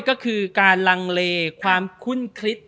ก็คือการลังเลความคุ้นคลิด